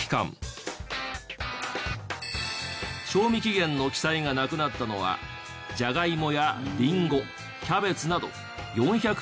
賞味期限の記載がなくなったのはジャガイモやリンゴキャベツなど４００品目。